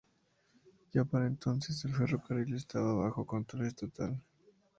Ya para entonces, el ferrocarril estaba bajo control estatal.